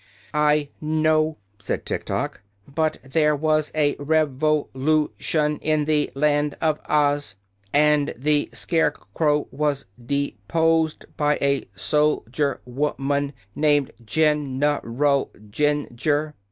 "I know," said Tiktok, "but there was a rev o lu tion in the Land of Oz, and the Scare crow was de posed by a sol dier wo man named Gen er al Jin jur.